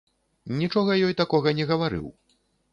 Нічога ёй такога не гаварыў.